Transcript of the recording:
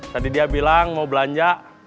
tadi dia bilang mau belanja